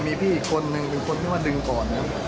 มีพี่อีกคนนึงเป็นคนที่มาดึงก่อน